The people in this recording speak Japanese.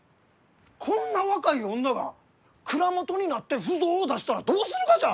こんな若い女が蔵元になって腐造を出したらどうするがじゃ！？